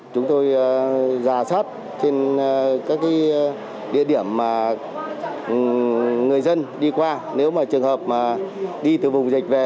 chúng tôi giả soát trên các địa điểm mà người dân đi qua nếu mà trường hợp mà đi từ vùng dịch về